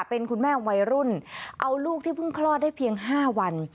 เป็นคุณแม่วัยรุ่นเอาลูกที่เพิ่งคลอดได้เพียง๕วัน